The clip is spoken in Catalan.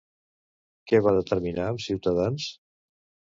Què va determinar amb Ciutadans?